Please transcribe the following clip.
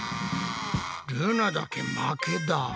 ルナだけ負けだ。